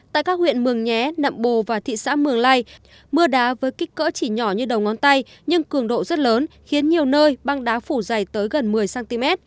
tại các huyện mường nhé nậm bồ và thị xã mường lây mưa đá với kích cỡ chỉ nhỏ như đầu ngón tay nhưng cường độ rất lớn khiến nhiều nơi băng đá phủ dày tới gần một mươi cm